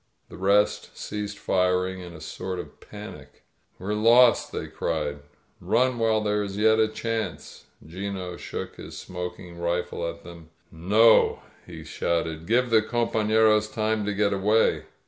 The rest ceasecL firing in a sort of panic. *We're lost!' they crie4*'?9f *Run while there is yet a chance!' 'Gino shook hi|^ smoking rifle at them. ^>No,' he shouted. ^Give the compafleroa time to get away!'